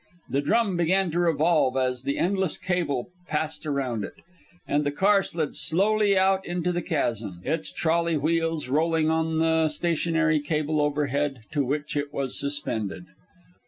The drum began to revolve as the endless cable passed round it, and the car slid slowly out into the chasm, its trolley wheels rolling on the stationary cable overhead, to which it was suspended.